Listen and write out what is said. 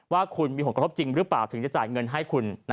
ว่าคุณมีผลกระทบจริงหรือเปล่าถึงจะจ่ายเงินให้คุณ